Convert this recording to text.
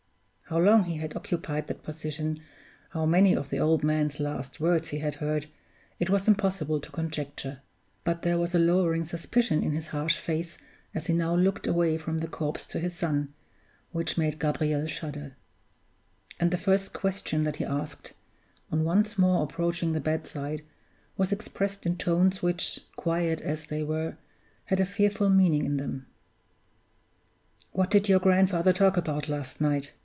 How long he had occupied that position, how many of the old man's last words he had heard, it was impossible to conjecture, but there was a lowering suspicion in his harsh face as he now looked away from the corpse to his son, which made Gabriel shudder; and the first question that he asked, on once more approaching the bedside, was expressed in tones which, quiet as they were, had a fearful meaning in them. "What did your grandfather talk about last night?"